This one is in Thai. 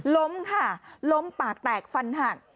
ล้มค่ะล้มปากแตกฟันหัก